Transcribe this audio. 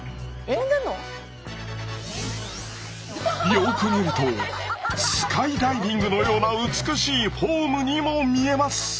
よく見るとスカイダイビングのような美しいフォームにも見えます。